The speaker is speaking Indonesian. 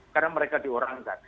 karena mereka diorangkan